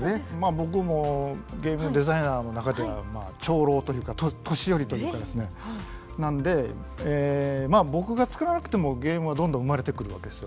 僕もゲームデザイナーの中では長老というか年寄りというかですねなのでまあ僕がつくらなくてもゲームはどんどん生まれてくるわけですよ。